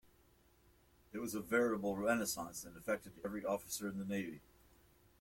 It was a veritable renaissance and affected every officer in the navy'.